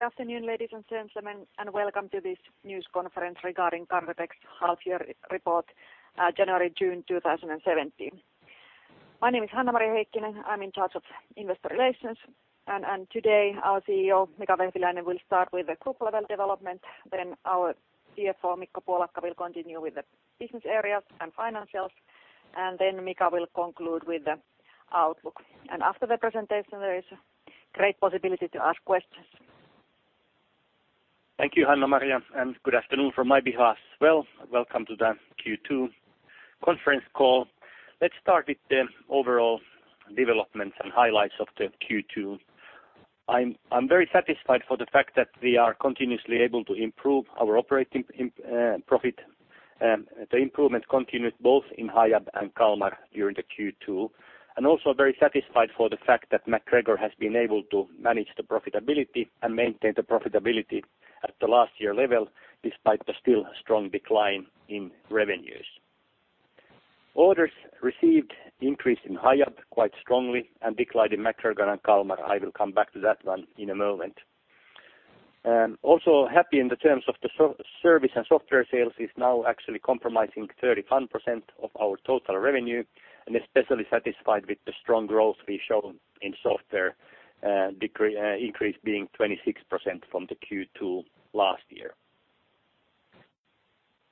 Good afternoon, ladies and gentlemen, welcome to this news conference regarding Cargotec's half year report, January, June 2017. My name is Hanna-Maria Heikkinen. I'm in charge of investor relations. Today our CEO, Mika Vehviläinen, will start with the group level development. Our CFO, Mikko Puolakka, will continue with the business areas and financials. Mika will conclude with the outlook. After the presentation, there is a great possibility to ask questions. Thank you, Hanna-Maria, and good afternoon from my behalf as well. Welcome to the Q2 conference call. Let's start with the overall developments and highlights of the Q2. I'm very satisfied for the fact that we are continuously able to improve our operating profit. The improvement continued both in Hiab and Kalmar during the Q2, and also very satisfied for the fact that MacGregor has been able to manage the profitability and maintain the profitability at the last year level, despite the still strong decline in revenues. Orders received increased in Hiab quite strongly and declined in MacGregor and Kalmar. I will come back to that one in a moment. Also happy in the terms of the service and software sales is now actually comprising 31% of our total revenue, and especially satisfied with the strong growth we've shown in software, increase being 26% from the Q2 last year.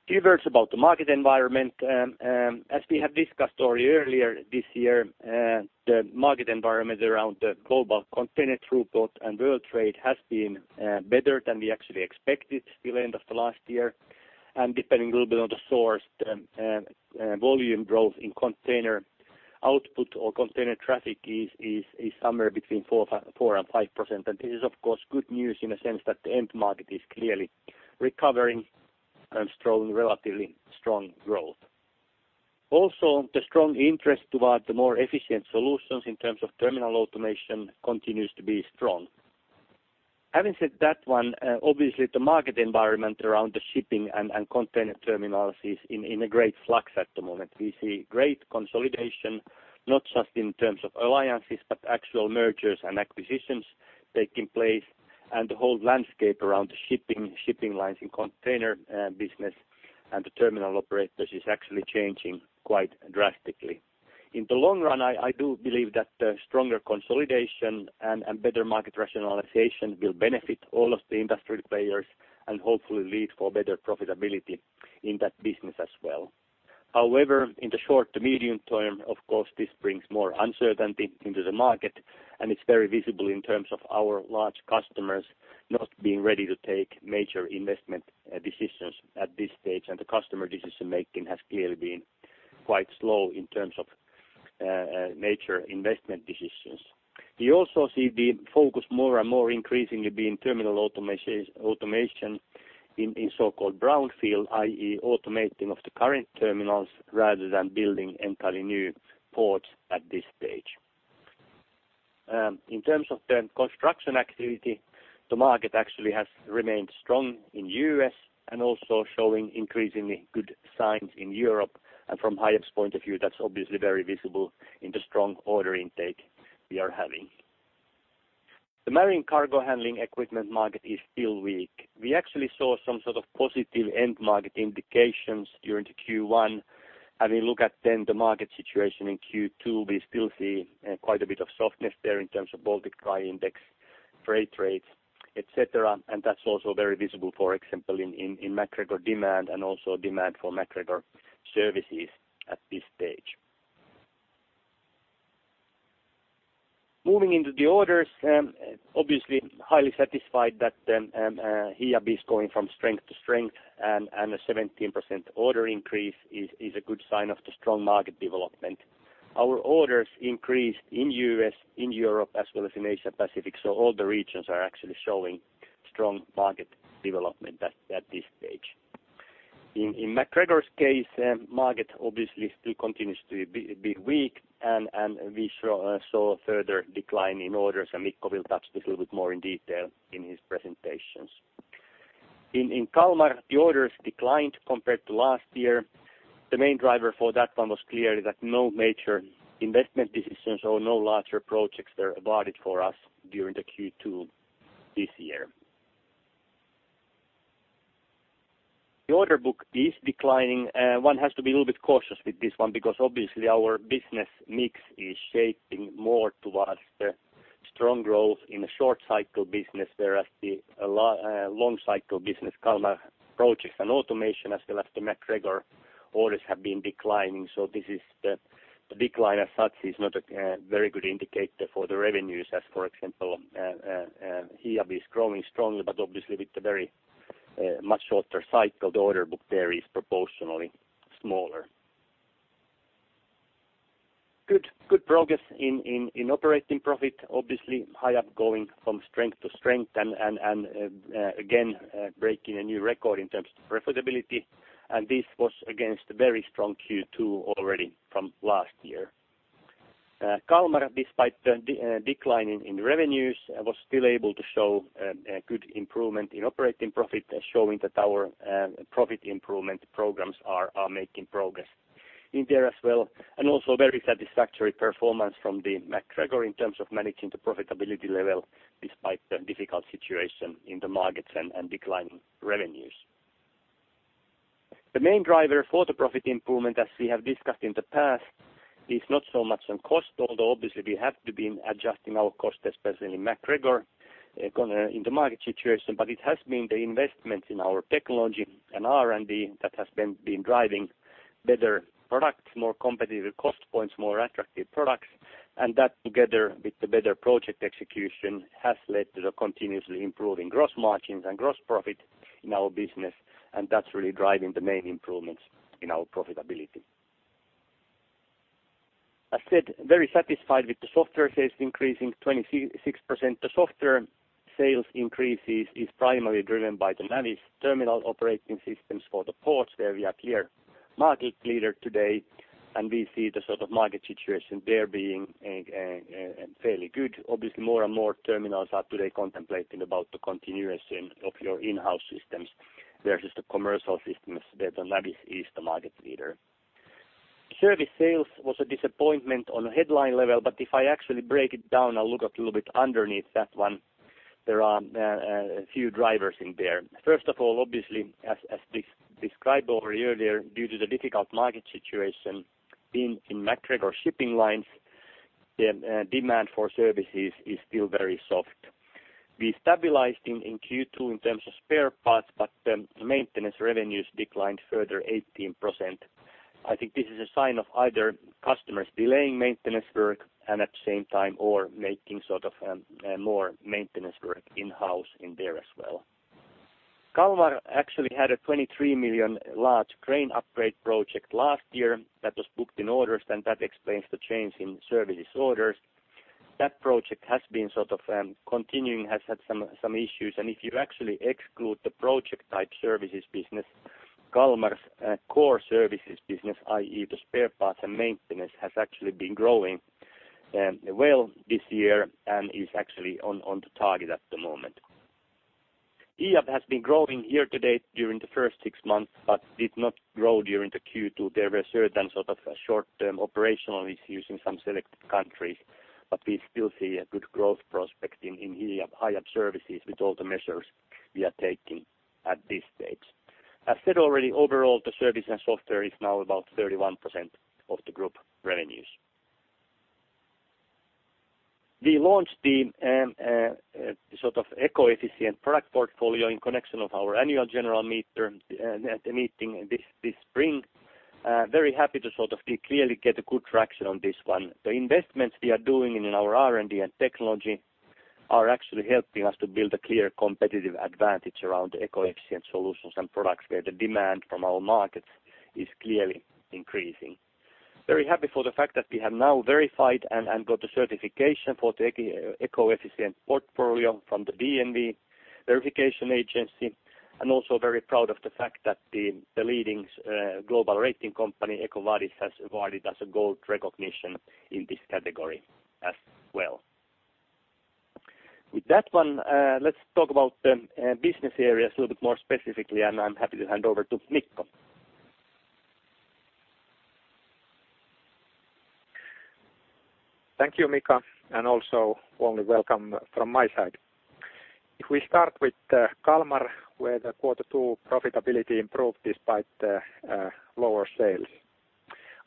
Few words about the market environment. As we have discussed already earlier this year, the market environment around the global container throughput and world trade has been better than we actually expected till end of the last year. Depending a little bit on the source, volume growth in container output or container traffic is somewhere between 4% and 5%. This is of course good news in a sense that the end market is clearly recovering and strong, relatively strong growth. Also, the strong interest towards the more efficient solutions in terms of terminal automation continues to be strong. Having said that one, obviously the market environment around the shipping and container terminals is in a great flux at the moment. We see great consolidation, not just in terms of alliances, but actual mergers and acquisitions taking place, and the whole landscape around the shipping lines and container business and the terminal operators is actually changing quite drastically. In the long run, I do believe that the stronger consolidation and better market rationalization will benefit all of the industry players and hopefully lead for better profitability in that business as well. In the short to medium term, of course, this brings more uncertainty into the market, and it's very visible in terms of our large customers not being ready to take major investment decisions at this stage. The customer decision-making has clearly been quite slow in terms of major investment decisions. We also see the focus more and more increasingly being terminal automation in so-called brownfield, i.e. automating of the current terminals rather than building entirely new ports at this stage. In terms of the construction activity, the market actually has remained strong in U.S. and also showing increasingly good signs in Europe. From Hiab's point of view, that's obviously very visible in the strong order intake we are having. The marine cargo handling equipment market is still weak. We actually saw some sort of positive end market indications during the Q1. Having looked at the market situation in Q2, we still see quite a bit of softness there in terms of Baltic Dry Index, freight rates, et cetera, and that's also very visible, for example, in MacGregor demand and also demand for MacGregor services at this stage. Moving into the orders, obviously highly satisfied that Hiab is going from strength to strength and a 17% order increase is a good sign of the strong market development. Our orders increased in U.S., in Europe, as well as in Asia Pacific, so all the regions are actually showing strong market development at this stage. In MacGregor's case, market obviously still continues to be weak and we saw a further decline in orders, and Mikko will touch a little bit more in detail in his presentations. In Kalmar, the orders declined compared to last year. The main driver for that one was clearly that no major investment decisions or no larger projects there awarded for us during the Q2 this year. The order book is declining. One has to be a little bit cautious with this one because obviously our business mix is shaping more towards the strong growth in the short cycle business whereas the long cycle business, Kalmar projects and automation as well as the MacGregor orders have been declining. This is the decline as such is not a very good indicator for the revenues. For example, Hiab is growing strongly, but obviously with the very much shorter cycle, the order book there is proportionally smaller. Good progress in operating profit, obviously Hiab going from strength to strength and again breaking a new record in terms of profitability, and this was against a very strong Q2 already from last year. Kalmar, despite the decline in revenues, was still able to show a good improvement in operating profit, showing that our profit improvement programs are making progress in there as well, and also very satisfactory performance from MacGregor in terms of managing the profitability level despite the difficult situation in the markets and declining revenues. The main driver for the profit improvement, as we have discussed in the past, is not so much on cost, although obviously we have to be adjusting our cost, especially in MacGregor in the market situation. It has been the investment in our technology and R&D that has been driving better products, more competitive cost points, more attractive products, and that together with the better project execution has led to the continuously improving gross margins and gross profit in our business, and that's really driving the main improvements in our profitability. As said, very satisfied with the software sales increasing 26%. The software sales increases is primarily driven by the Navis terminal operating systems for the ports, where we are clear market leader today, and we see the sort of market situation there being a fairly good. Obviously, more and more terminals are today contemplating about the continuation of your in-house systems versus the commercial systems that Navis is the market leader. Service sales was a disappointment on a headline level, but if I actually break it down and look a little bit underneath that one, there are a few drivers in there. First of all, obviously as described already earlier, due to the difficult market situation in MacGregor shipping lines, the demand for services is still very soft. We stabilized in Q2 in terms of spare parts, but the maintenance revenues declined further 18%. I think this is a sign of either customers delaying maintenance work and at the same time or making sort of more maintenance work in-house in there as well. Kalmar actually had a 23 million large crane upgrade project last year that was booked in orders, and that explains the change in services orders. That project has been sort of continuing, has had some issues. If you actually exclude the project type services business, Kalmar's core services business, i.e., the spare parts and maintenance, has actually been growing well this year and is actually on the target at the moment. Hiab has been growing year to date during the first six months but did not grow during the Q2. There were certain sort of short-term operational issues in some selected countries, we still see a good growth prospect in Hiab services with all the measures we are taking at this stage. I've said already, overall, the service and software is now about 31% of the group revenues. We launched the sort of eco-efficient product portfolio in connection of our annual general meeting this spring. Very happy to sort of feel clearly get a good traction on this one. The investments we are doing in our R&D and technology are actually helping us to build a clear competitive advantage around the eco-efficient solutions and products where the demand from our markets is clearly increasing. Very happy for the fact that we have now verified and got the certification for the eco-efficient portfolio from the DNV verification agency. Also very proud of the fact that the leading global rating company, EcoVadis, has awarded us a gold recognition in this category as well. With that one, let's talk about business areas a little bit more specifically, and I'm happy to hand over to Mikko. Thank you, Mika, and also warmly welcome from my side. If we start with Kalmar, where the quarter two profitability improved despite lower sales.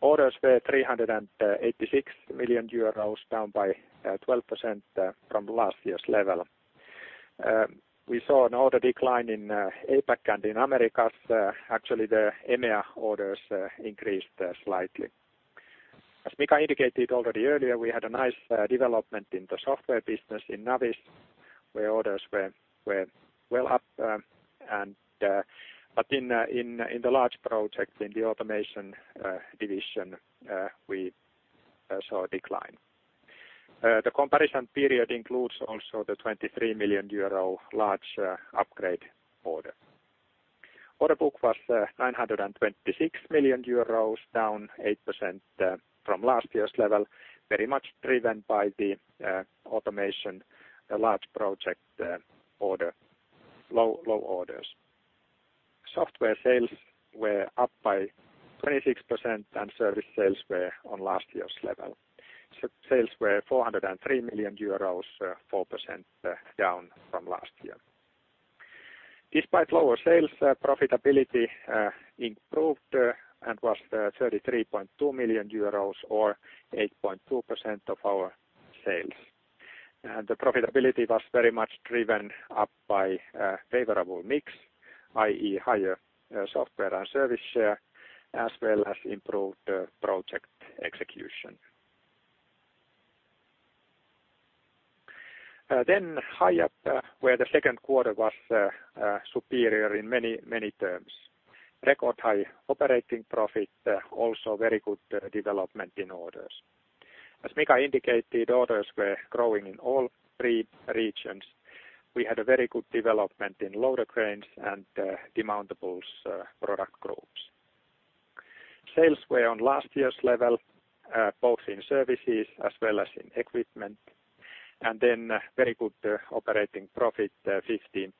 Orders were 386 million euros, down by 12% from last year's level. We saw an order decline in APAC and in Americas. Actually, the EMEA orders increased slightly. As Mika indicated already earlier, we had a nice development in the software business in Navis, where orders were well up, and but in the large projects in the automation division, we saw a decline. The comparison period includes also the 23 million euro large upgrade order. Order book was 926 million euros, down 8% from last year's level, very much driven by the automation, a large project, order, low orders. Software sales were up by 26%, and service sales were on last year's level. Sales were 403 million euros, 4% down from last year. Despite lower sales, profitability improved and was 33.2 million euros or 8.2% of our sales. The profitability was very much driven up by favorable mix, i.e., higher software and service share, as well as improved project execution. Hiab, where the second quarter was superior in many terms. Record high operating profit, also very good development in orders. As Mika indicated, orders were growing in all three regions. We had a very good development in loader cranes and demountables product groups. Sales were on last year's level, both in services as well as in equipment. Very good operating profit 15.6%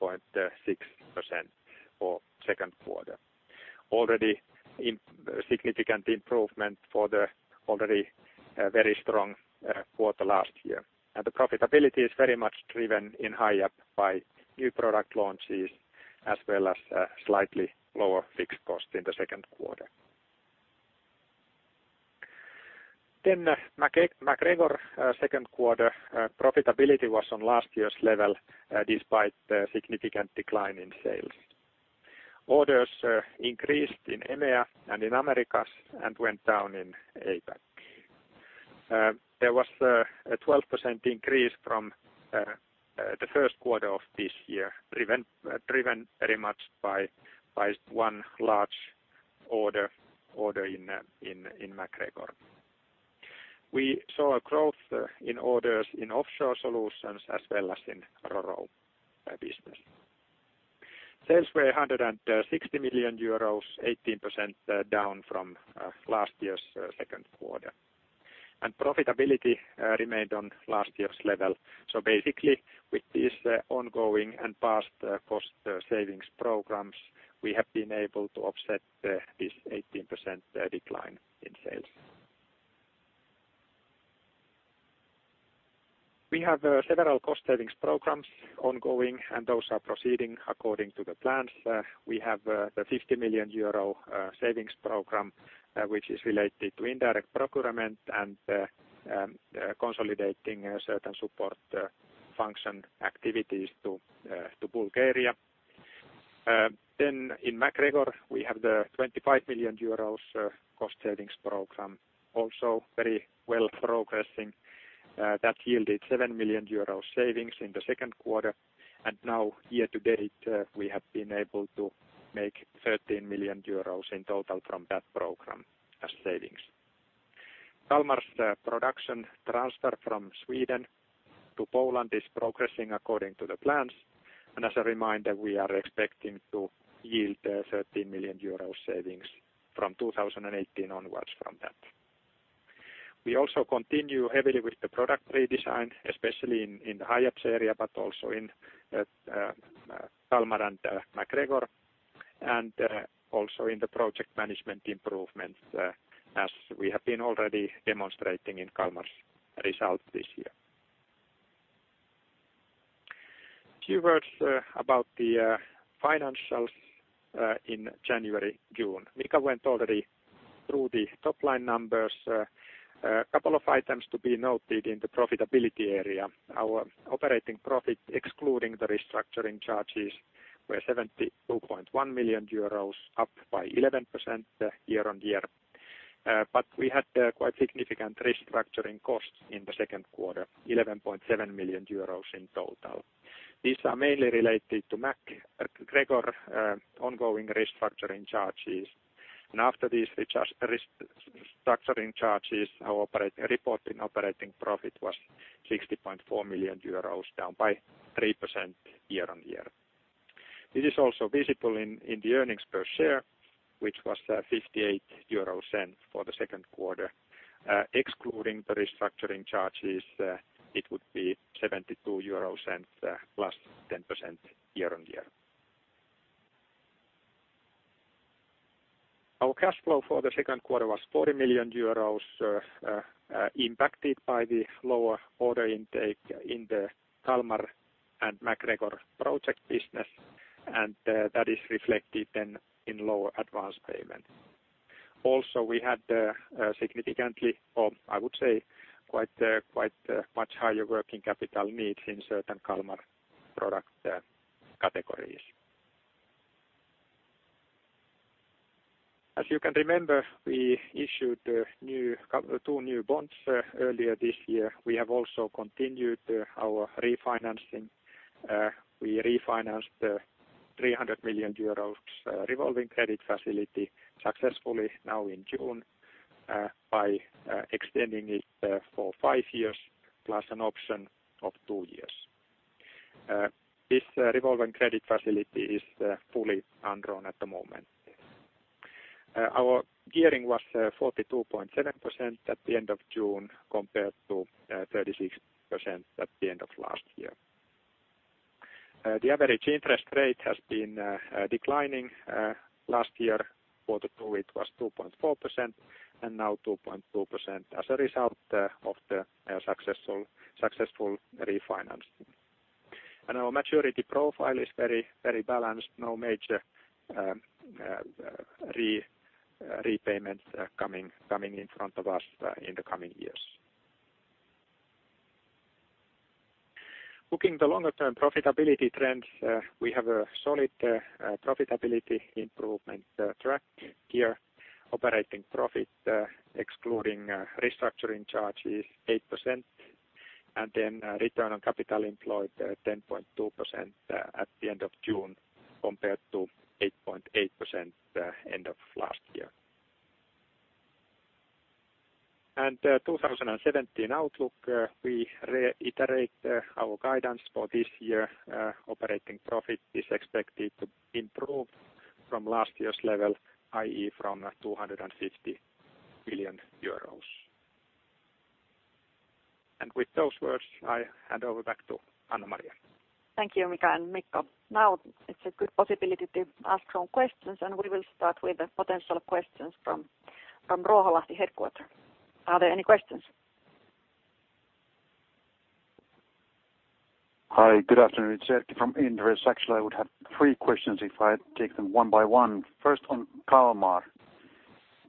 for second quarter. Already significant improvement for the already very strong quarter last year. The profitability is very much driven in Hiab by new product launches as well as slightly lower fixed costs in the second quarter. MacGregor second quarter profitability was on last year's level despite the significant decline in sales. Orders increased in EMEA and in Americas and went down in APAC. There was a 12% increase from the first quarter of this year driven very much by one large order in MacGregor. We saw a growth in orders in offshore solutions as well as in RoRo business. Sales were 160 million euros, 18% down from last year's second quarter. Profitability remained on last year's level. Basically, with this ongoing and past cost savings programs, we have been able to offset this 18% decline in sales. We have several cost savings programs ongoing and those are proceeding according to the plans. We have the 50 million euro savings program, which is related to indirect procurement and consolidating a certain support function activities to Bulgaria. In MacGregor, we have the 25 million euros cost savings program also very well progressing, that yielded 7 million euros savings in the second quarter. Now year to date, we have been able to make 13 million euros in total from that program as savings. Kalmar's production transfer from Sweden to Poland is progressing according to the plans. As a reminder, we are expecting to yield 13 million euros savings from 2018 onwards from that. We also continue heavily with the product redesign, especially in the HIAB area, but also in Kalmar and MacGregor, and also in the project management improvements, as we have been already demonstrating in Kalmar's results this year. Few words about the financials in January, June. Mika went already through the top-line numbers. A couple of items to be noted in the profitability area. Our operating profit, excluding the restructuring charges, was EUR 72.1 million, up by 11% year-on-year. We had quite significant restructuring costs in the second quarter, 11.7 million euros in total. These are mainly related to MacGregor, ongoing restructuring charges. After these restructuring charges, our reported operating profit was 60.4 million euros, down by 3% year-on-year. This is also visible in the earnings per share, which was 0.58 for the second quarter. Excluding the restructuring charges, it would be EUR 0.72, +10% year-on-year. Our cash flow for the second quarter was 40 million euros, impacted by the lower order intake in the Kalmar and MacGregor project business, and that is reflected then in lower advanced payment. Also, we had significantly, or I would say quite much higher working capital needs in certain Kalmar product categories. As you can remember, we issued two new bonds earlier this year. We have also continued our refinancing. We refinanced 300 million euros revolving credit facility successfully now in June, by extending it for five years plus an option of two years. This revolving credit facility is fully undrawn at the moment. Our gearing was 42.7% at the end of June compared to 36% at the end of last year. The average interest rate has been declining. Last year, quarter two, it was 2.4%, now 2.2% as a result of the successful refinance. Our maturity profile is very balanced. No major repayments coming in front of us in the coming years. Looking the longer-term profitability trends, we have a solid profitability improvement track here. Operating profit, excluding restructuring charge is 8%, Return on Capital Employed 10.2% at the end of June compared to 8.8% end of last year. 2017 outlook, we reiterate our guidance for this year. Operating profit is expected to improve from last year's level, i.e., from 250 billion euros. With those words, I hand over back to Hanna-Maria. Thank you, Mika and Mikko. Now it's a good possibility to ask some questions. We will start with the potential questions from Roiholahti headquarters. Are there any questions? Hi, good afternoon. It's Jackie from Industria. Actually, I would have three questions if I take them one by one. First, on Kalmar.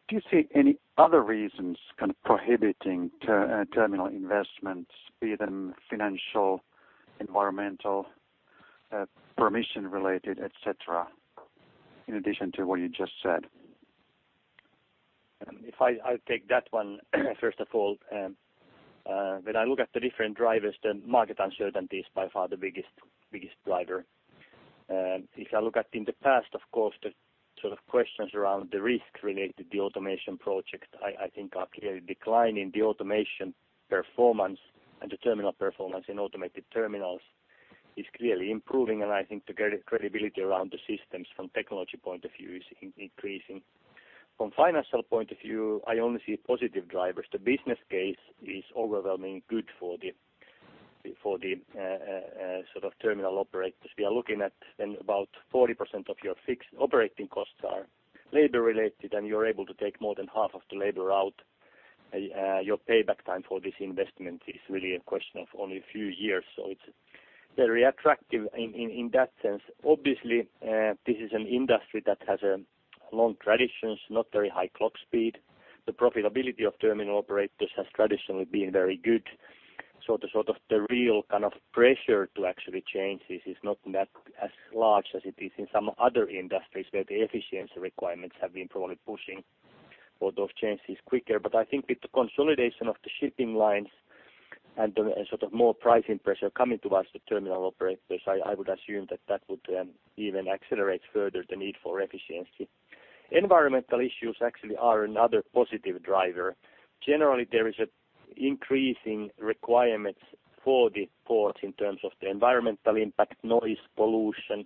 Do you see any other reasons kind of prohibiting terminal investments, be them financial, environmental, permission related, et cetera, in addition to what you just said? If I'll take that one first of all. When I look at the different drivers, then market uncertainty is by far the biggest driver. If I look at in the past, of course, the sort of questions around the risk related to the automation project, I think are clearly declining. The automation performance and the terminal performance in automated terminals is clearly improving, and I think the credibility around the systems from technology point of view is increasing. From financial point of view, I only see positive drivers. The business case is overwhelmingly good for the sort of terminal operators. We are looking at then about 40% of your fixed operating costs are labor related, you're able to take more than half of the labor out. Your payback time for this investment is really a question of only a few years, so it's very attractive in that sense. Obviously, this is an industry that has long traditions, not very high clock speed. The profitability of terminal operators has traditionally been very good. The sort of the real kind of pressure to actually change this is not that as large as it is in some other industries where the efficiency requirements have been probably pushing all those changes quicker. I think with the consolidation of the shipping lines and sort of more pricing pressure coming towards the terminal operators, I would assume that that would even accelerate further the need for efficiency. Environmental issues actually are another positive driver. Generally, there is a increasing requirements for the ports in terms of the environmental impact, noise pollution,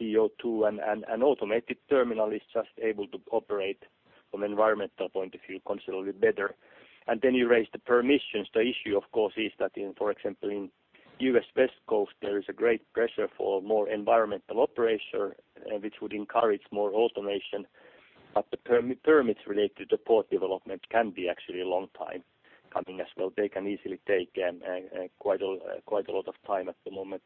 CO2, and an automated terminal is just able to operate from environmental point of view considerably better. Then you raise the permissions. The issue of course is that in, for example, in U.S. West Coast, there is a great pressure for more environmental operation, which would encourage more automation. The permits related to port development can be actually a long time coming as well. They can easily take quite a lot of time at the moment.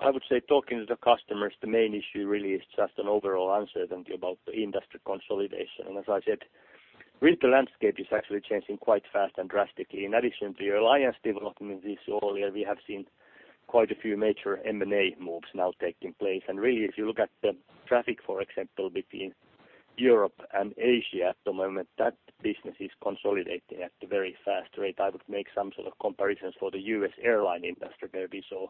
I would say talking to the customers, the main issue really is just an overall uncertainty about the industry consolidation. As I said, really the landscape is actually changing quite fast and drastically. In addition to the alliance development this year, we have seen quite a few major M&A moves now taking place. Really, if you look at the traffic, for example, between Europe and Asia at the moment, that business is consolidating at a very fast rate. I would make some sort of comparisons for the U.S. airline industry there. We saw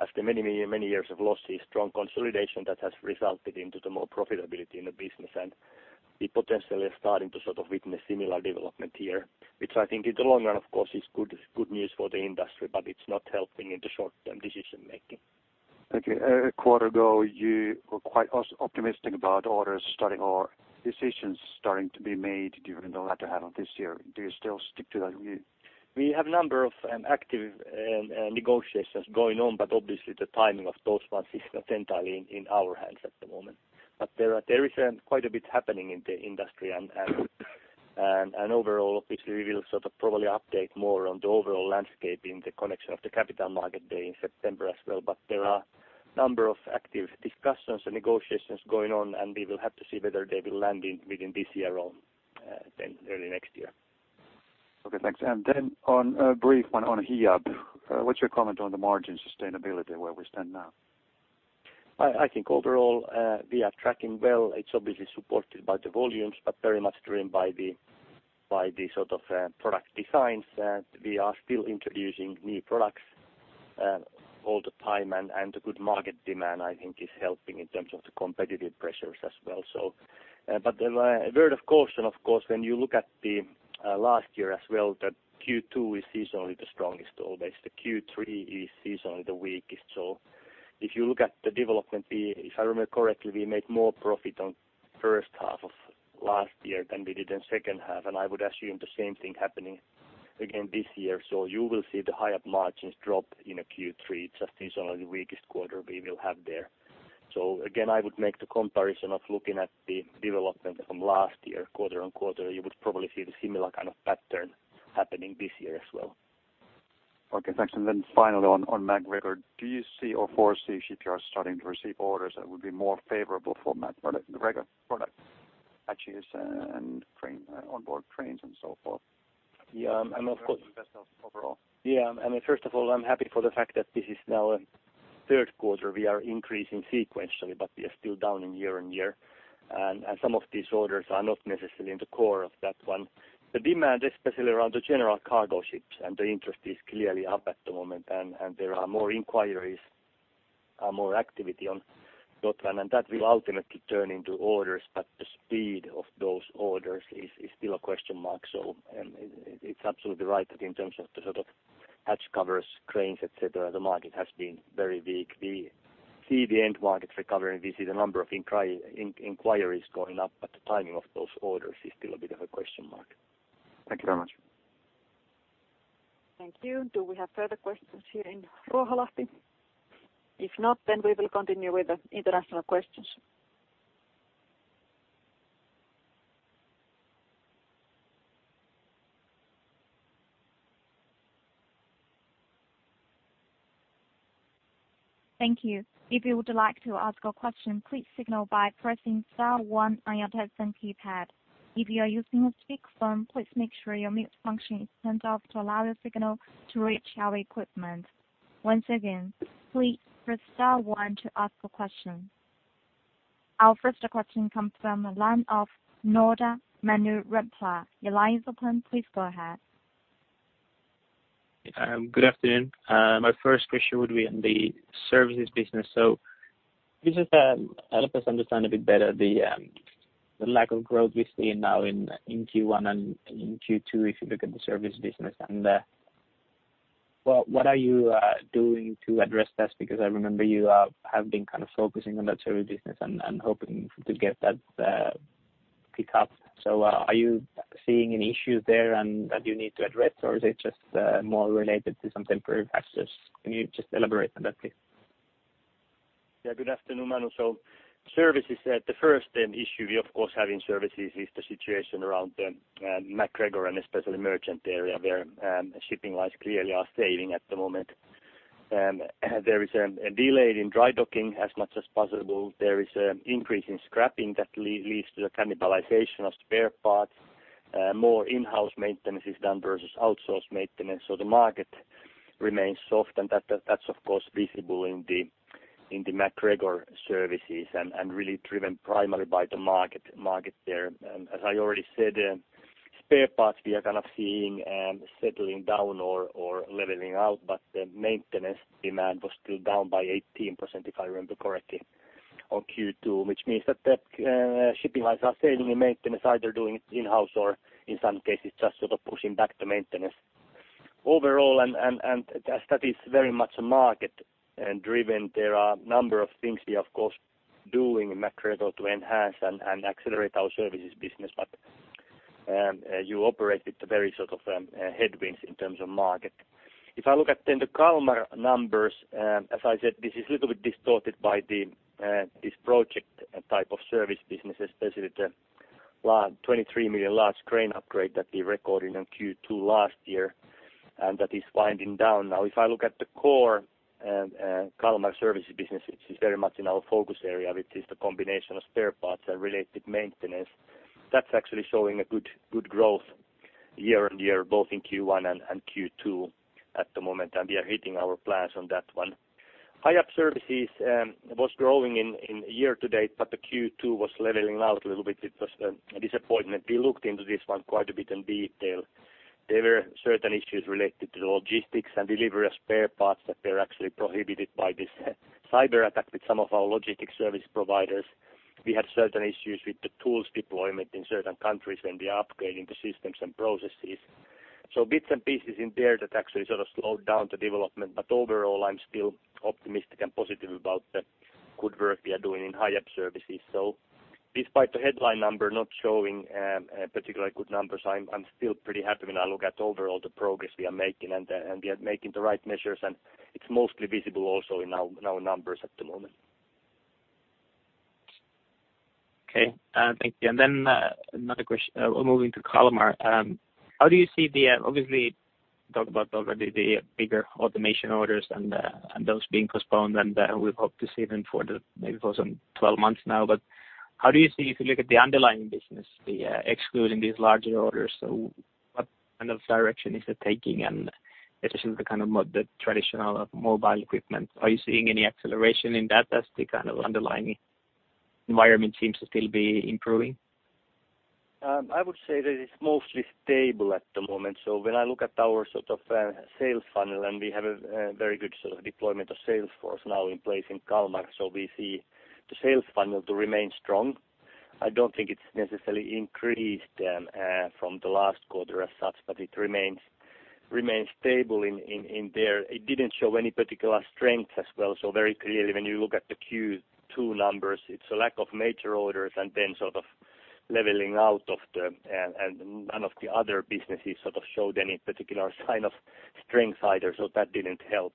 after many years of losses, strong consolidation that has resulted into the more profitability in the business. We potentially are starting to sort of witness similar development here, which I think in the long run of course is good news for the industry, but it's not helping in the short-term decision-making. Okay. A quarter ago, you were quite as optimistic about orders starting or decisions starting to be made during the latter half of this year. Do you still stick to that view? We have a number of active negotiations going on, but obviously the timing of those ones is not entirely in our hands at the moment. There is quite a bit happening in the industry and overall, obviously, we will sort of probably update more on the overall landscape in the connection of the Capital Markets Day in September as well. There are number of active discussions and negotiations going on, and we will have to see whether they will land in within this year or early next year. Okay, thanks. On a brief one on Hiab, what's your comment on the margin sustainability where we stand now? I think overall, we are tracking well. It's obviously supported by the volumes, but very much driven by the sort of product designs. We are still introducing new products all the time and the good market demand, I think is helping in terms of the competitive pressures as well. A word of caution, of course, when you look at the last year as well, that Q2 is seasonally the strongest always. The Q3 is seasonally the weakest. If you look at the development, If I remember correctly, we made more profit on first half of last year than we did in second half, and I would assume the same thing happening again this year. You will see the Hiab margins drop in the Q3. It's just usually the weakest quarter we will have there. Again, I would make the comparison of looking at the development from last year, quarter-on-quarter, you would probably see the similar kind of pattern happening this year as well. Okay, thanks. finally on MacGregor. Do you see or foresee shipyards starting to receive orders that would be more favorable for MacGregor product, MacGregor spare parts and onboard cranes and so forth? Yeah, and of course. Overall. Yeah. I mean, first of all, I'm happy for the fact that this is now a third quarter. We are increasing sequentially, but we are still down in year-over-year. Some of these orders are not necessarily in the core of that one. The demand, especially around the general cargo ships and the interest is clearly up at the moment and there are more inquiries, more activity on that one, and that will ultimately turn into orders, but the speed of those orders is still a question mark. It's absolutely right that in terms of the sort of hatch covers, cranes, et cetera, the market has been very weak. We see the end markets recovering. We see the number of inquiries going up, but the timing of those orders is still a bit of a question mark. Thank you very much. Thank you. Do we have further questions here in Roiholahti? If not, then we will continue with the international questions. Thank you. If you would like to ask a question, please signal by pressing star one on your telephone keypad. If you are using a speakerphone, please make sure your mute function is turned off to allow your signal to reach our equipment. Once again, please press star one to ask a question. Our first question comes from the line of Manu Rimpelä. Your line's open. Please go ahead. Good afternoon. My first question would be on the services business. Could you just help us understand a bit better the lack of growth we're seeing now in Q1 and in Q2 if you look at the service business and what are you doing to address this? I remember you have been kind of focusing on that service business and hoping to get that pick up. Are you seeing any issues there and that you need to address? Is it just more related to some temporary factors? Can you just elaborate on that, please? Yeah. Good afternoon, Manu. Services, the first issue we of course have in services is the situation around MacGregor and especially merchant area where shipping lines clearly are saving at the moment. There is a delay in dry docking as much as possible. There is increase in scrapping that leads to the cannibalization of spare parts. More in-house maintenance is done versus outsourced maintenance, the market remains soft. That's of course visible in the MacGregor services and really driven primarily by the market there. As I already said, spare parts we are kind of seeing settling down or leveling out, but the maintenance demand was still down by 18%, if I remember correctly, on Q2. Which means that the shipping lines are saving in maintenance, either doing it in-house or in some cases just sort of pushing back the maintenance. As that is very much a market driven, there are a number of things we are of course doing in MacGregor to enhance and accelerate our services business. You operate with the very sort of headwinds in terms of market. If I look at then the Kalmar numbers, as I said, this is a little bit distorted by this project type of service business, especially the large 23 million large crane upgrade that we recorded in Q2 last year, and that is winding down now. If I look at the core Kalmar services business, which is very much in our focus area, which is the combination of spare parts and related maintenance, that's actually showing a good growth year-on-year, both in Q1 and Q2 at the moment. We are hitting our plans on that one. Hiab services was growing in year-to-date, the Q2 was leveling out a little bit. It was a disappointment. We looked into this one quite a bit in detail. There were certain issues related to logistics and delivery of spare parts that were actually prohibited by this cyberattack with some of our logistics service providers. We had certain issues with the tools deployment in certain countries when we are upgrading the systems and processes. Bits and pieces in there that actually sort of slowed down the development. Overall, I'm still optimistic and positive about the good work we are doing in Hiab services. Despite the headline number not showing, particularly good numbers, I'm still pretty happy when I look at overall the progress we are making. We are making the right measures, and it's mostly visible also in our numbers at the moment. Okay. Thank you. Another question, moving to Kalmar. How do you see the, obviously talk about already the bigger automation orders and those being postponed, and, we hope to see them for the maybe for some 12 months now. How do you see if you look at the underlying business, the, excluding these larger orders, so what kind of direction is it taking? This is the kind of more the traditional mobile equipment. Are you seeing any acceleration in that as the kind of underlying environment seems to still be improving? I would say that it's mostly stable at the moment. When I look at our sort of sales funnel, and we have a very good sort of deployment of sales force now in place in Kalmar, we see the sales funnel to remain strong. I don't think it's necessarily increased from the last quarter as such, but it remains stable in there. It didn't show any particular strengths as well. Very clearly, when you look at the Q2 numbers, it's a lack of major orders and then sort of leveling out of the, and none of the other businesses sort of showed any particular sign of strength either, that didn't help.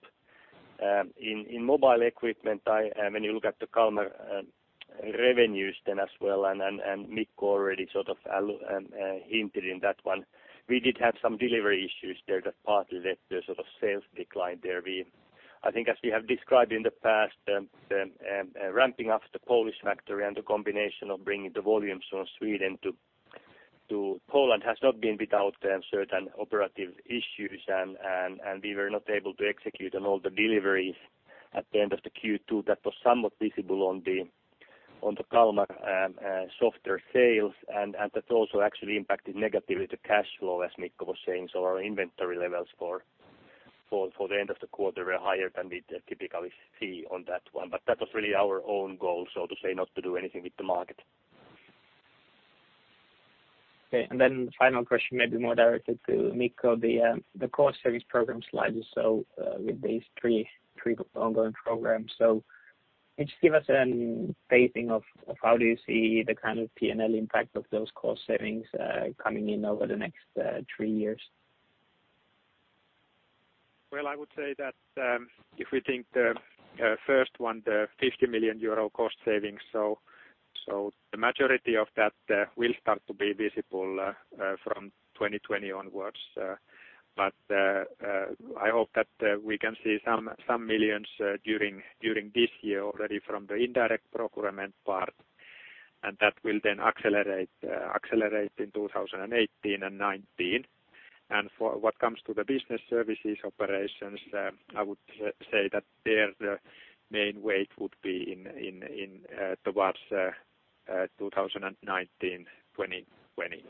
In, in mobile equipment, when you look at the Kalmar revenues then as well and, and Mikko already sort of hinted in that one, we did have some delivery issues there that partly led to a sort of sales decline there. I think as we have described in the past, ramping up the Polish factory and the combination of bringing the volumes from Sweden to Poland has not been without certain operative issues. We were not able to execute on all the deliveries at the end of the Q2. That was somewhat visible on the, on the Kalmar softer sales. That also actually impacted negatively the cash flow, as Mikko was saying. Our inventory levels for For the end of the quarter were higher than we'd typically see on that one. That was really our own goal, so to say not to do anything with the market. Okay. Final question may be more directed to Mikko. The cost savings program slides. With these three ongoing programs. Can you just give us a phasing of how do you see the kind of PNL impact of those cost savings, coming in over the next, three years? Well, I would say that if we think the first one, the 50 million euro cost savings, the majority of that will start to be visible from 2020 onwards. I hope that we can see some millions during this year already from the indirect procurement part, and that will then accelerate in 2018 and 2019. For what comes to the business services operations, I would say that there the main weight would be in towards 2019, 2020.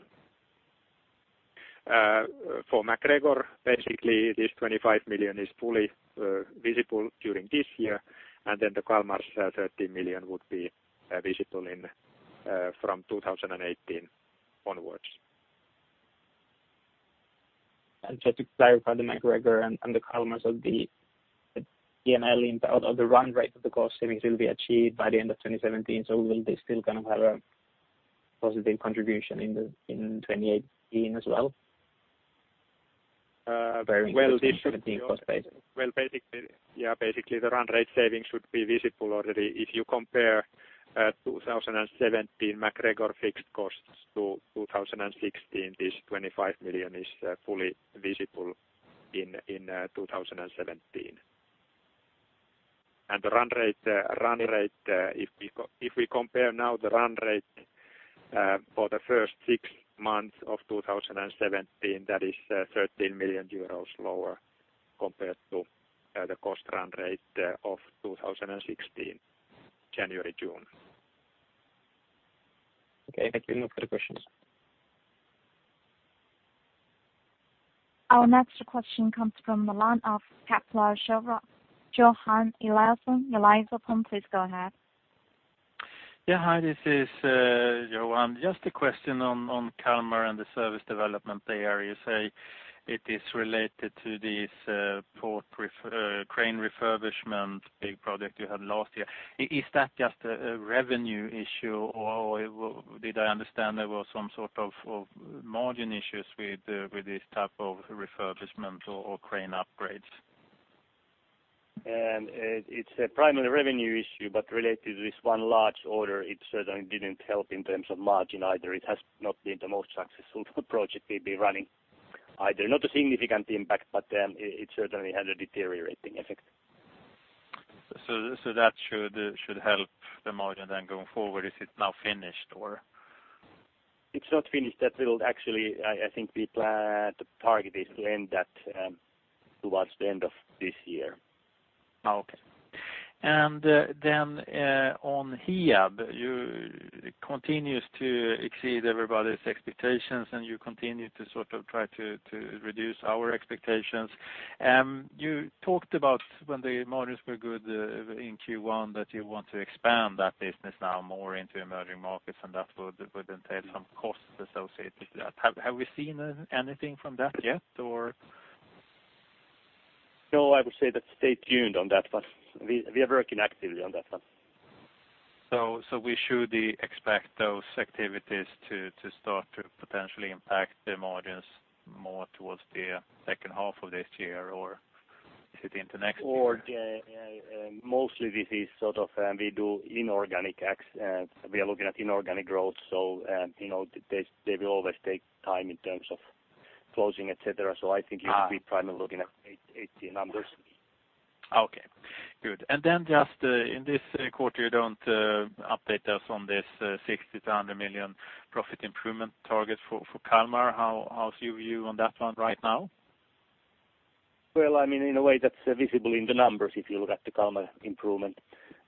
For MacGregor, basically this 25 million is fully visible during this year, then the Kalmar's 13 million would be visible from 2018 onwards. Just to clarify the MacGregor and the Kalmar's of the PNL impact of the run rate of the cost savings will be achieved by the end of 2017. Will they still kind of have a positive contribution in 2018 as well? Uh, well. Cost basis. Well, basically, yeah. Basically, the run rate savings should be visible already. If you compare 2017 MacGregor fixed costs to 2016, this 25 million is fully visible in 2017. The run rate, if we compare now the run rate for the first six months of 2017, that is 13 million euros lower compared to the cost run rate of 2016, January, June. Okay, thank you. No further questions. Our next question comes from the line of Kepler Cheuvreux. Johan Eliassen. Your line is open. Please go ahead. Yeah. Hi, this is Johan. Just a question on Kalmar and the service development there. You say it is related to this port crane refurbishment big project you had last year. Is that just a revenue issue or did I understand there were some sort of margin issues with this type of refurbishment or crane upgrades? It's a primarily revenue issue, but related to this one large order it certainly didn't help in terms of margin either. It has not been the most successful project we've been running either. Not a significant impact, but it certainly had a deteriorating effect. That should help the margin then going forward if it's now finished or... It's not finished. That will actually I think we plan to target is to end that towards the end of this year. Oh, okay. On Hiab, you continues to exceed everybody's expectations, and you continue to sort of try to reduce our expectations. You talked about when the margins were good, in Q1 that you want to expand that business now more into emerging markets, and that would entail some costs associated to that. Have we seen anything from that yet or? No, I would say that stay tuned on that one. We are working actively on that one. We should expect those activities to start to potentially impact the margins more towards the second half of this year or is it into next year? The mostly this is sort of, we do inorganic acts, we are looking at inorganic growth. You know, they will always take time in terms of closing, et cetera. Ah. You should be primarily looking at 2018 numbers. Okay, good. Just in this quarter you don't update us on this 60 million-100 million profit improvement target for Kalmar. How's your view on that one right now? Well, I mean, in a way that's visible in the numbers if you look at the Kalmar improvement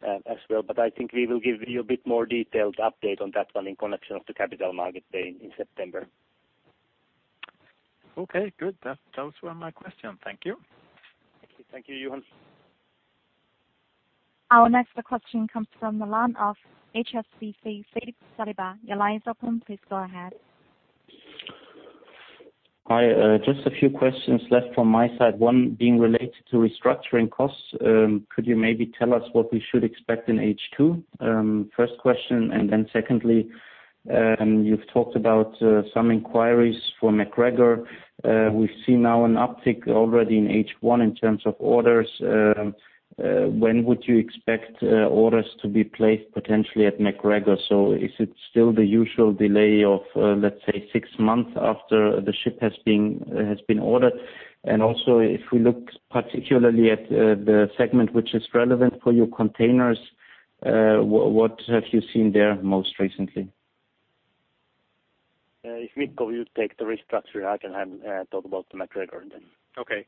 as well. I think we will give you a bit more detailed update on that one in connection of the Capital Markets Day in September. Okay, good. Those were my question. Thank you. Thank you. Thank you, Johan. Our next question comes from the line of HSBC, Philippe Saliba. Your line is open. Please go ahead. Hi. Just a few questions left from my side, one being related to restructuring costs. Could you maybe tell us what we should expect in H2? First question. Secondly, you've talked about some inquiries for MacGregor. We see now an uptick already in H1 in terms of orders. When would you expect orders to be placed potentially at MacGregor? Is it still the usual delay of, let's say six months after the ship has been ordered? Also, if we look particularly at the segment which is relevant for your containers, what have you seen there most recently? If Mikko you take the restructure, I can talk about the MacGregor then. Okay.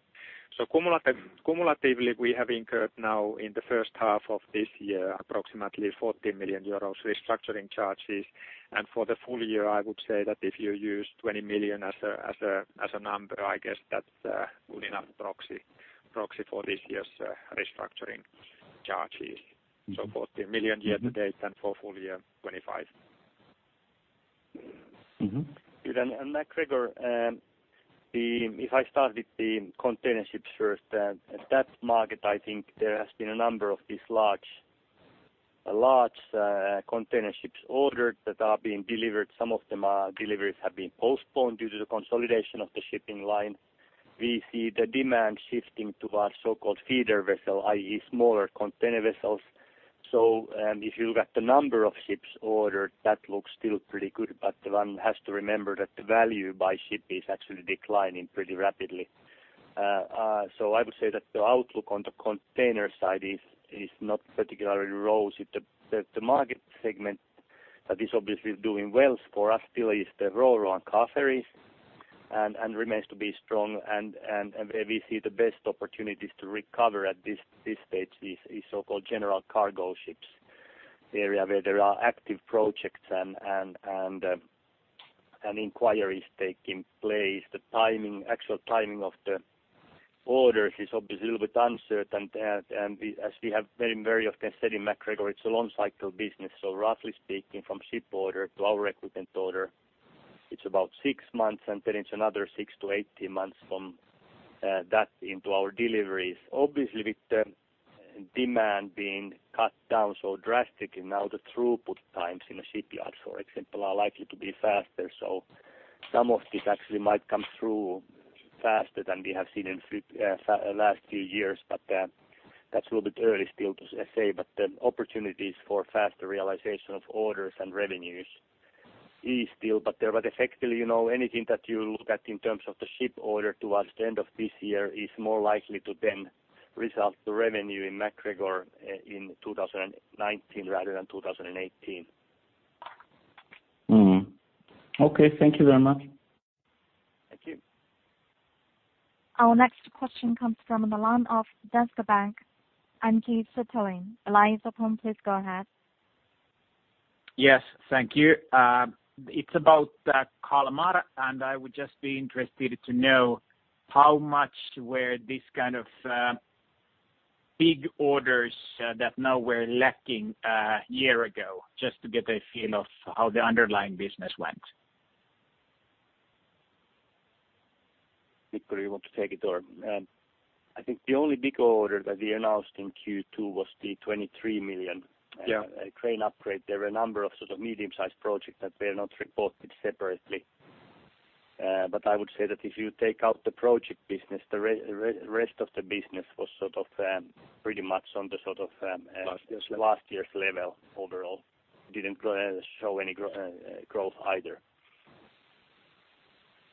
Cumulatively, we have incurred now in the first half of this year approximately 40 million euros restructuring charges. For the full year I would say that if you use 20 million as a number, I guess that's a good enough proxy for this year's restructuring charges. 40 million year-to-date and for full year 2025. Mm-hmm. MacGregor, if I start with the container ships first, at that market, I think there has been a number of these large container ships ordered that are being delivered. Some of them are deliveries have been postponed due to the consolidation of the shipping line. We see the demand shifting to our so-called feeder vessel, i.e., smaller container vessels. If you look at the number of ships ordered, that looks still pretty good, but one has to remember that the value by ship is actually declining pretty rapidly. I would say that the outlook on the container side is not particularly rosy. The market segment that is obviously doing well for us still is the RoRo and car ferries and remains to be strong and where we see the best opportunities to recover at this stage is so-called general cargo ships. The area where there are active projects and inquiries taking place. The timing, actual timing of the orders is obviously a little bit uncertain. As we have very often said in MacGregor, it's a long cycle business. Roughly speaking, from ship order to our equipment order, it's about six months, and then it's another six-18 months from that into our deliveries. Obviously, with the demand being cut down so drastically now, the throughput times in a shipyard, for example, are likely to be faster. Some of this actually might come through faster than we have seen in last few years, but that's a little bit early still to say. The opportunities for faster realization of orders and revenues is still. Effectively, you know, anything that you look at in terms of the ship order towards the end of this year is more likely to then result the revenue in MacGregor in 2019 rather than 2018. Okay, thank you very much. Thank you. Our next question comes from the line of Danske Bank, Antti Suttelin. The line is open. Please go ahead. Yes, thank you. It's about the Kalmar. I would just be interested to know how much were this kind of big orders that now we're lacking a year ago, just to get a feel of how the underlying business went? Mikko, you want to take it or? I think the only big order that we announced in Q2 was the 23 million... Yeah. crane upgrade. There were a number of sort of medium-sized projects that were not reported separately. I would say that if you take out the project business, the rest of the business was sort of, pretty much on the sort of. Last year's level. Last year's level overall. Didn't go show any growth either.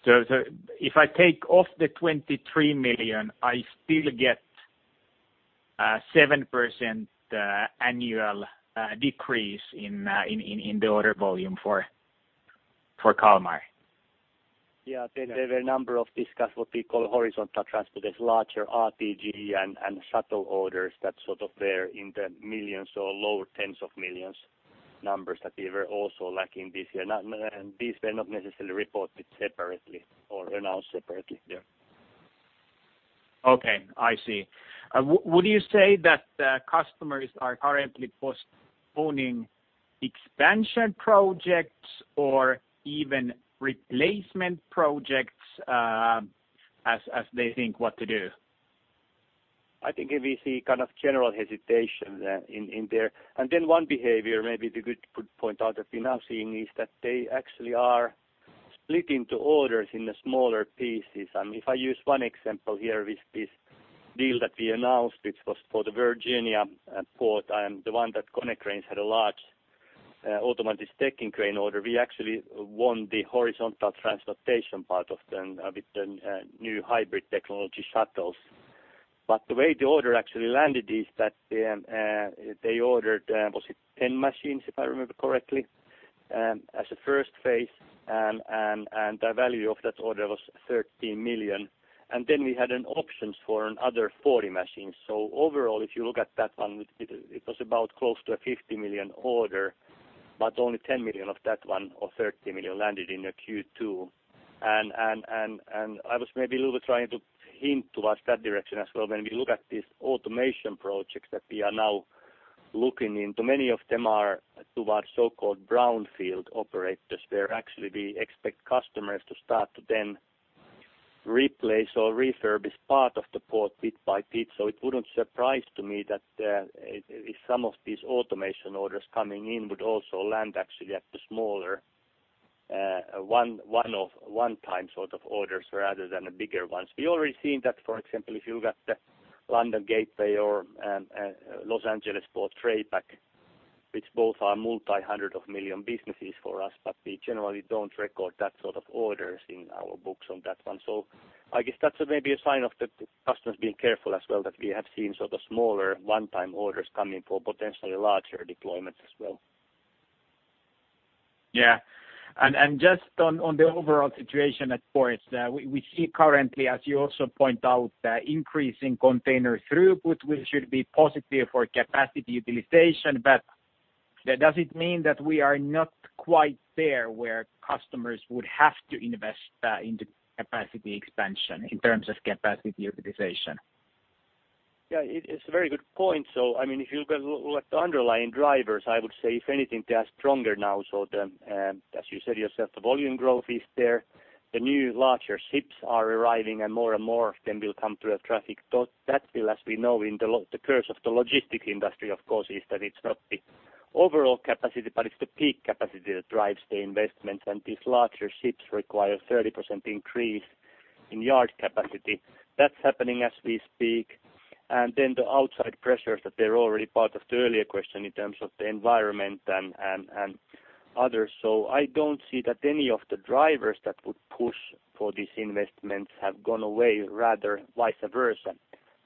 If I take off the 23 million, I still get 7% annual decrease in the order volume for Kalmar. Yeah. There were a number of these, what we call, horizontal transport, there's larger RTG and shuttle orders that sort of there in the millions or lower EUR tens of millions numbers that they were also lacking this year. These were not necessarily reported separately or announced separately. Yeah. Okay. I see. Would you say that customers are currently postponing expansion projects or even replacement projects, as they think what to do? I think if you see kind of general hesitation, in there. Then one behavior maybe we could point out that we're now seeing is that they actually are splitting to orders in the smaller pieces. If I use one example here with this deal that we announced, which was for the Virginia port, and the one that Konecranes had a large automatic stacking crane order. We actually won the horizontal transportation part of them with the new hybrid technology shuttles. The way the order actually landed is that they ordered, was it 10 machines, if I remember correctly, as a first phase. The value of that order was 13 million. Then we had an options for another 40 machines. Overall, if you look at that one, it was about close to a 50 million order, but only 10 million of that one or 13 million landed in the Q2. I was maybe a little bit trying to hint towards that direction as well. When we look at these automation projects that we are now looking into, many of them are to our so-called brownfield operators, where actually we expect customers to start to then replace or refurbish part of the port bit by bit. It wouldn't surprise to me that if some of these automation orders coming in would also land actually at the smaller, one of one-time sort of orders rather than the bigger ones. We already seen that, for example, if you look at the London Gateway or Los Angeles Port TraPac, which both are multi-hundred of million EUR businesses for us, but we generally don't record that sort of orders in our books on that one. I guess that's maybe a sign of the customers being careful as well, that we have seen sort of smaller one-time orders coming for potentially larger deployments as well. Yeah. Just on the overall situation at ports, we see currently, as you also point out, increase in container throughput, which should be positive for capacity utilization. Yeah, does it mean that we are not quite there where customers would have to invest in the capacity expansion in terms of capacity utilization? Yeah, it's a very good point. I mean, if you look at underlying drivers, I would say if anything, they are stronger now. The, as you said yourself, the volume growth is there. The new larger ships are arriving and more and more of them will come through TraPac. That will, as we know, in the course of the logistics industry, of course, is that it's not the overall capacity, but it's the peak capacity that drives the investment. These larger ships require 30% increase in yard capacity. That's happening as we speak. The outside pressures that they're already part of the earlier question in terms of the environment and others. I don't see that any of the drivers that would push for these investments have gone away rather vice versa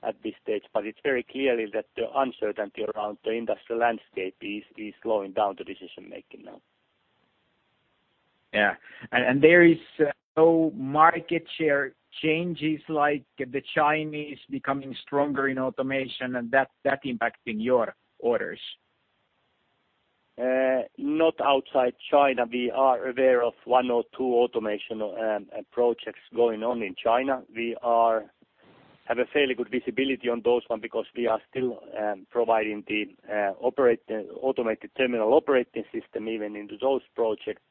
at this stage. it's very clear is that the uncertainty around the industrial landscape is slowing down the decision-making now. Yeah. There is no market share changes like the Chinese becoming stronger in automation and that impacting your orders. Not outside China. We are aware of one or two automation projects going on in China. We have a fairly good visibility on those one because we are still providing the automated terminal operating system even into those projects.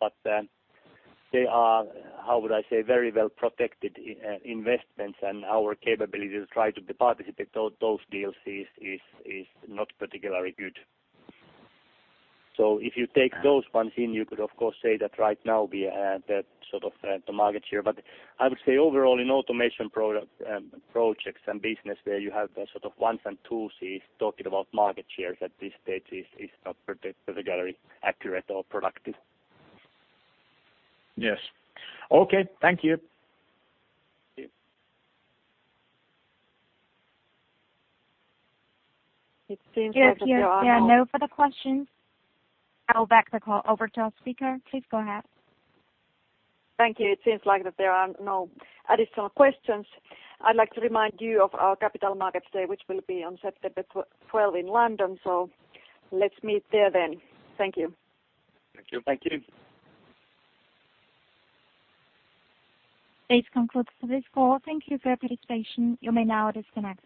They are, how would I say, very well-protected in investments and our capability to try to participate those deals is not particularly good. If you take those ones in, you could of course say that right now we have that sort of the market share. I would say overall in automation product projects and business where you have the sort of ones and twos is talking about market shares at this stage is not particularly accurate or productive. Yes. Okay. Thank you. Yeah. It seems like that there are. There are no further questions. I will back the call over to our speaker. Please go ahead. Thank you. It seems like that there are no additional questions. I'd like to remind you of our Capital Markets Day, which will be on September 12th in London. Let's meet there then. Thank you. Thank you. Thank you. This concludes today's call. Thank you for your participation. You may now disconnect.